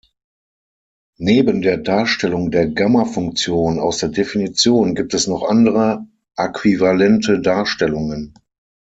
Neben der Darstellung der Gammafunktion aus der Definition gibt es noch andere äquivalente Darstellungen.